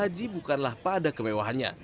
haji bukanlah pada kemewahannya